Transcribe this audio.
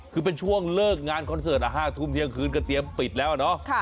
คือเป็นช่วงเลิกงานคอนเสิร์ต๕ทุ่มเที่ยงคืนก็เตรียมปิดแล้วเนาะ